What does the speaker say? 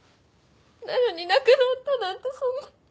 なのに亡くなったなんてそんな。